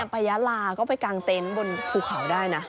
ไปยาลาก็ไปกางเต็นต์บนภูเขาได้นะ